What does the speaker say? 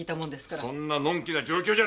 そんなのんきな状況じゃ！